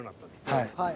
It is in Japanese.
はい。